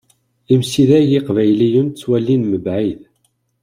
Imsidag iqbayliyen ttwalin mebɛid.